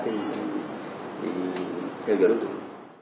đi theo dõi đối tượng